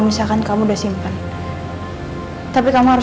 kenapa kamu masih simpen cincin nikah aku